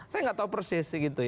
saya gak tahu persis